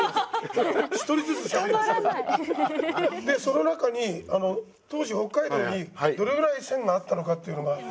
でその中に当時北海道にどれぐらい線があったのかっていうのが。